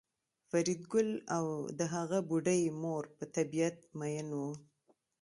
فریدګل او د هغه بوډۍ مور په طبیعت میئن وو